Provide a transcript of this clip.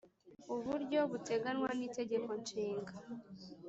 uburyo buteganywa n Itegeko Nshinga